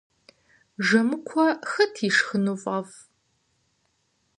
Жэмыкуэ хэт ишхыну фӏэфӏ?